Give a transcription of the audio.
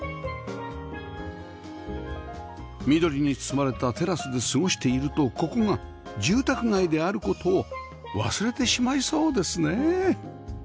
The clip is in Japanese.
緑に包まれたテラスで過ごしているとここが住宅街である事を忘れてしまいそうですね